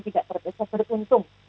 tidak terdiri seberuntung